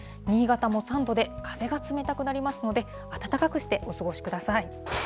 新潟も３度で風が冷たくなりますので、暖かくしてお過ごしください。